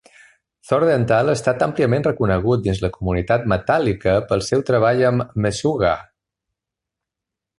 Thordendal ha estat àmpliament reconegut dins la comunitat metàl·lica pel seu treball amb Meshuggah.